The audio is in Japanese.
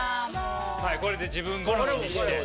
はいこれで自分好みにして。